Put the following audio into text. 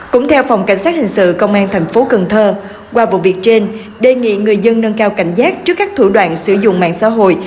cũng theo phòng cảnh sát hình sự công an thành phố cần thơ qua vụ việc trên đề nghị người dân nâng cao cảnh giác trước các thủ đoạn sử dụng mạng xã hội